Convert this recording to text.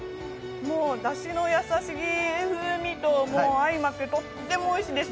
だしの優しい風味と相まってとってもおいしいです。